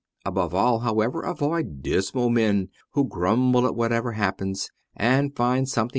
Above all, however, avoid dismal men who grumble at whatever happens, and find something to com CH.